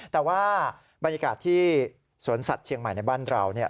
แต่ว่าบรรยากาศที่สวนสัตว์เชียงใหม่ในบ้านเราเนี่ย